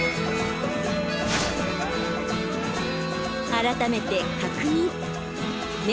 改めて確認明